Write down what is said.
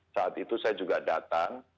saat itu saya juga datang